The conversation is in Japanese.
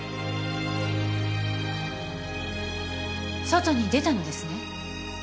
外に出たのですね？